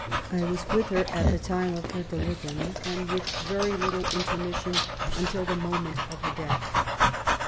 I was with her at the time of her delivery, and with very little intermission until the moment of her death.